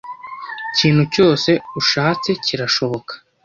kintu cyose ushatse cyirashoboka